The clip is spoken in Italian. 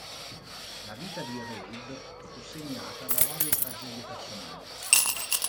La vita di Reid fu segnata da varie tragedie personali.